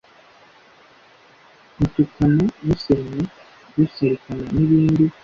rutukana, rusebanya, rusarikana n’ibindi.